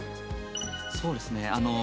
そうですね。